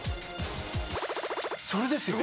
それですよ！